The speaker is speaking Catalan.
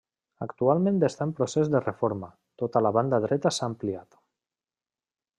Actualment està en procés de reforma, tota la banda dreta s'ha ampliat.